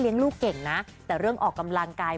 ลูกเก่งนะแต่เรื่องออกกำลังกาย